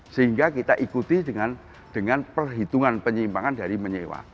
sehingga kita ikuti dengan perhitungan penyimpangan dari menyewa